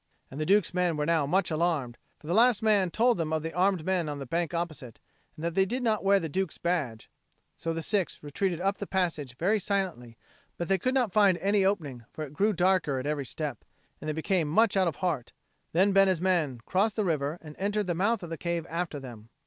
And the Duke's men were now much alarmed; for the last man told them of the armed men on the bank opposite, and that they did not wear the Duke's badge; so the six retreated up the passage very silently, but they could not find any opening, for it grew darker at every step, and they became much out of heart. Then Bena's men crossed the river and entered the mouth of the cave after them.